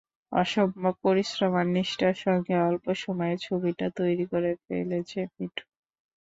অসম্ভব পরিশ্রম আর নিষ্ঠার সঙ্গে অল্প সময়ে ছবিটা তৈরি করে ফেলেছে মিঠু।